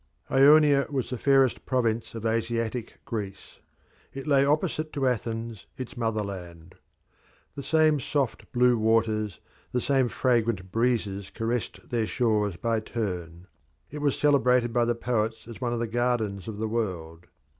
Ionia was the fairest province of Asiatic Greece. It lay opposite to Athens, its motherland. The same soft blue waters, the same fragrant breezes caressed their shores by turn. It was celebrated by the poets as one of the gardens of the world.